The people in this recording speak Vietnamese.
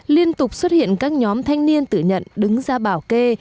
liên tục xuất hiện các nhóm thanh niên tự nhận đứng ra bảo kê